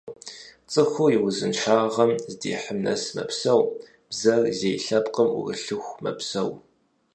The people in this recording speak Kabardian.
Цӏыхур и узыншагъэм здихьым нэс мэпсэу, бзэр зей лъэпкъым ӏурылъыху мэпсэу.